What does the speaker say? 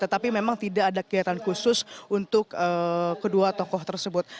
tetapi memang tidak ada kegiatan khusus untuk kedua tokoh tersebut